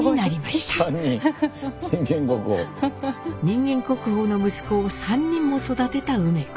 人間国宝の息子を３人も育てた梅子。